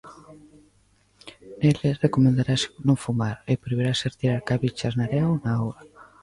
Neles recomendarase non fumar, e prohibirase tirar cabichas na area ou na auga.